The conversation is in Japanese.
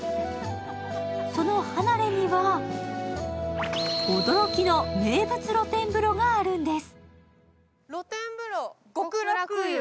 その離れには、驚きの名物露天風呂があるんです。